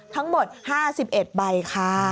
ทั้งหมด๕๑ใบค่ะ